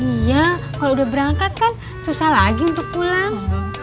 iya kalau udah berangkat kan susah lagi untuk pulang